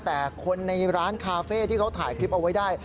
แต่คนในร้านคาเฟ่ที่เขาถ่ายคลิปเอาไว้ได้